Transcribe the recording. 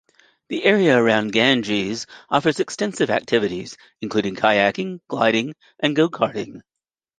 The area around Ganges offers extensive activities, including kayaking, gliding and go-karting.